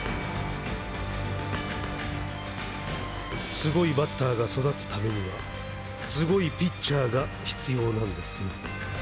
すごいバッターが育つためにはすごいピッチャーが必要なんですよ。